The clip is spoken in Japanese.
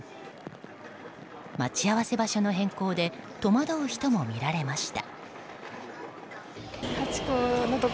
待ち合わせ場所の変更で戸惑う人も見られました。